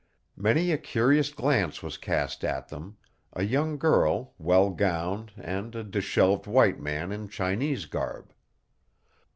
Many a curious glance was cast at them, a young girl, well gowned, and a disheveled white man in Chinese garb.